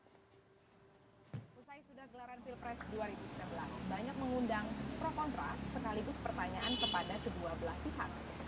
selesai sudah gelaran pilpres dua ribu sembilan belas banyak mengundang pro kontra sekaligus pertanyaan kepada kedua belah pihak